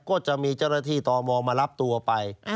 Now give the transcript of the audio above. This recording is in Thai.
ก็จะมีเจ้าหน้าที่ตมมารับตัวไป